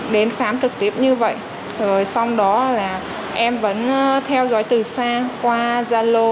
đến khám trực tiếp như vậy rồi xong đó là em vẫn theo dõi từ xa qua gia lô